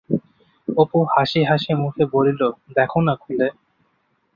অপু হাসি-হাসি মুখে বলিল, দেখো না খুলে?